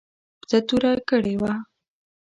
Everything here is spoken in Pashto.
څه توره کړې وه.